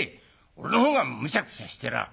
俺のほうがむしゃくしゃしてらぁ。